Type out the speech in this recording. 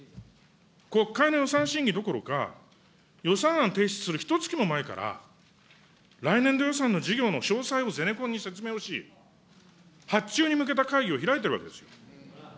国会の予算審議どころか、予算案提出するひとつきも前から、来年度予算の事業の詳細をゼネコンに説明をし、発注に向けた会議を開いているわけでしょ。